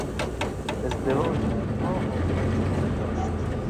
ازدواج آنها عاقبت خوبی داشت.